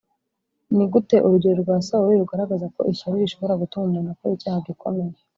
Ni gute urugero rwa Sawuli rugaragaza ko ishyari rishobora gutuma umuntu akora icyaha gikomeye